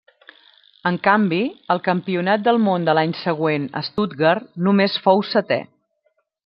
En canvi, al Campionat del Món de l'any següent a Stuttgart només fou setè.